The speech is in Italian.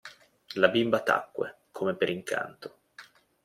La bimba tacque come per incanto.